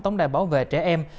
tổng đài bảo vệ trẻ em